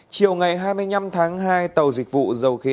chiều ngày hai mươi năm tháng hai tàu dịch vụ dầu khí